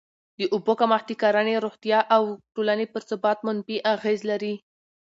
د اوبو کمښت د کرهڼې، روغتیا او ټولني پر ثبات منفي اغېز کوي.